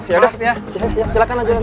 ya udah silakan aja jalanan ya